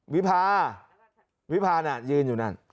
วิพาวิพาน่ะยืนอยู่นั่น